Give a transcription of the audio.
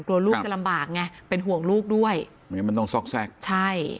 กลัวลูกจะลำบากไงเป็นห่วงลูกด้วยไม่งั้นมันต้องซอกแทรกใช่